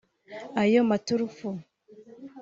Ayo maturufu